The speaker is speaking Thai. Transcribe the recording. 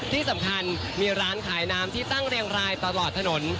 ที่สำคัญมีร้านขายน้ำที่ตั้งเรียงรายตลอดถนน